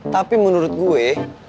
tapi menurut gue